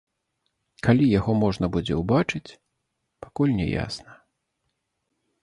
Калі яго можна будзе ўбачыць, пакуль не ясна.